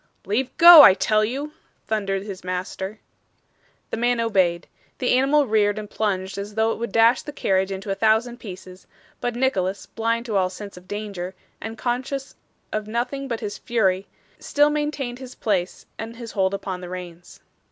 'Leave go, I tell you!' thundered his master. The man obeyed. The animal reared and plunged as though it would dash the carriage into a thousand pieces, but Nicholas, blind to all sense of danger, and conscious of nothing but his fury, still maintained his place and his hold upon the reins.